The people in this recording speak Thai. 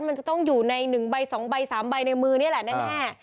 มันจะต้องอยู่ใน๑ใบ๒ใบ๓ใบในมือนี่แหละแน่